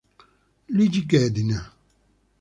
Luigi Ghedina